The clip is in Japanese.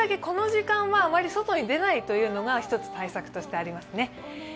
この時間はあまり外に出ないというのが一つ対策としてありますね。